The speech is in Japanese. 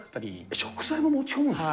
食材も持ち込むんですか？